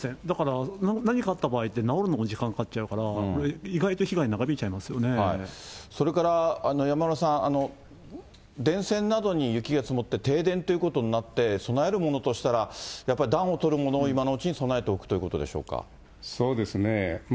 だから何かあった場合って、直るのも時間かかっちゃうから、意外と被害、それから山村さん、電線などに雪が積もって停電っていうことになって、備えるものとしたら、やっぱり暖をとるものを今のうちに備えておくということそうですね。